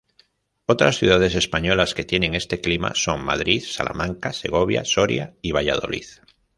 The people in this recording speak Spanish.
Otras ciudades españolas que tienen este clima son Madrid, Salamanca, Segovia, Soria y Valladolid.